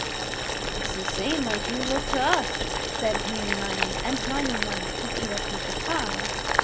"It's the same like you look to us," said Meeney Miney and Miney Mo to Eeta Peeca Pie.